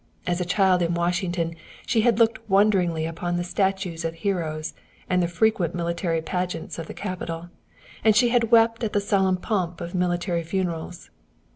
As a child in Washington she had looked wonderingly upon the statues of heroes and the frequent military pageants of the capital; and she had wept at the solemn pomp of military funerals.